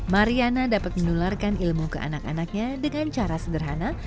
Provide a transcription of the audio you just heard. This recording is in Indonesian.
mariana dapat menularkan ilmu ke anak anaknya dengan cara sederhana